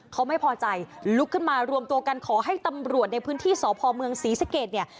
เขาไม่พอใจลุกขึ้นมารวมตัวกันขอให้ตำรวจในพื้นที่สพเมืองศรีสะเกดเนี่ย